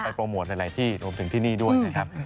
โปรโมทหลายที่รวมถึงที่นี่ด้วยนะครับ